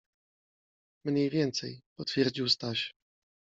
- Mniej więcej - potwierdził Staś.